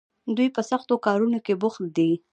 دوی په سختو کارونو کې بوخت دي.